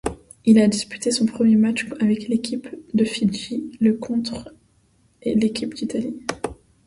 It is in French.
Il a disputé son premier match avec l'équipe de Fidji le contre l'équipe d'Italie.